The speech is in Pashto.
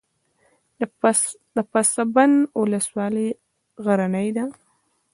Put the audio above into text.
د پسابند ولسوالۍ غرنۍ ده